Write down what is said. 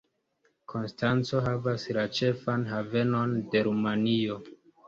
Konstanco havas la ĉefan havenon de Rumanio.